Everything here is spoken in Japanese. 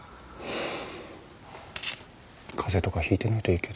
風邪とか引いてないといいけど。